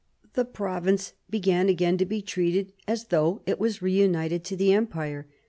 The province began again to be treated as though it was reunited to the Empire.